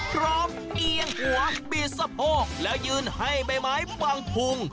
เอียงหัวบีดสะโพกแล้วยืนให้ใบไม้บังพุง